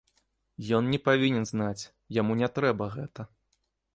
Ён не павінен знаць, яму не трэба гэта.